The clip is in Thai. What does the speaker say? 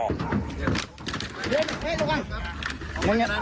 เฮ้ยสุข่าว